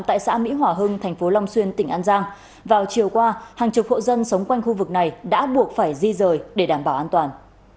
tại xã mỹ hỏa hưng thành phố long xuyên tỉnh an giang vào chiều qua hàng chục hộ dân sống quanh khu vực này đã buộc phải di rời để đảm bảo an toàn